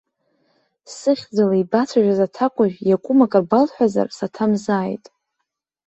Сыхьӡала ибацәажәаз аҭакәажә иакәым акыр балҳәазар, саҭамзааит.